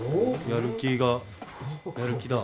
やる気がやる気だ。